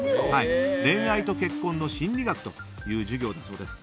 恋愛と結婚の心理学という授業だそうです。